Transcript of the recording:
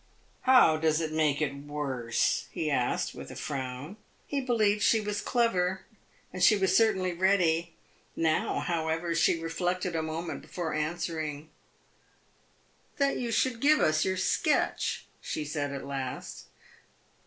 "How does it make it worse?" he asked, with a frown. He believed she was clever, and she was certainly ready. Now, however, she reflected a moment before answering. "That you should give us your sketch," she said at last.